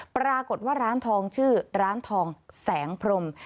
ปรากฏว่าร้านทองชื่อร้านทองแสงพรม